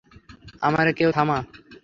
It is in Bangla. আমারে কেউ থামা।